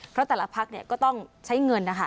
เพราะแต่ละพักก็ต้องใช้เงินนะคะ